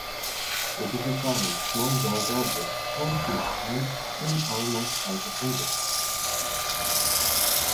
It is a fine, small gold object, shown here and in almost perfect condition.